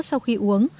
sau khi uống